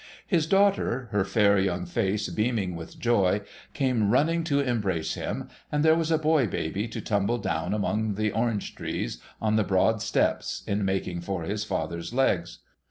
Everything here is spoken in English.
His daughter, her fair young face beaming with joy, came running to embrace him ; and there was a boy baby to tumble down among the orange trees on the broad steps, in making for his father's legs.